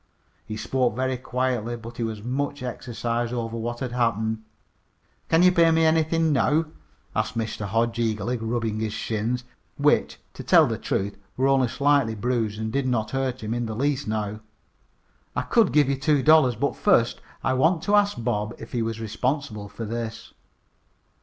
He spoke very quietly, but he was much exercised over what had happened. "Can ye pay me anythin' now?" asked Mr. Hodge eagerly, rubbing his shins, which, to tell the truth, were only slightly bruised and did not hurt him in the least now. "I could give you two dollars. But first I want to ask Bob if he is responsible for this."